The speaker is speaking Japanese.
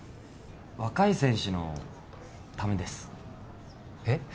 若い選手のためですえっ？